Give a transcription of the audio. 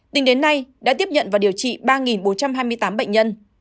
tính đến nay đã tiếp nhận và điều trị ba bốn trăm hai mươi tám bệnh nhân